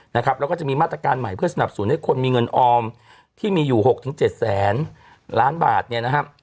แล้วก็จะมีมาตรการใหม่เพื่อสนับสนุนให้คนมีเงินออมที่มีอยู่หกถึงเจ็ดแสนล้านบาทเนี่ยนะครับ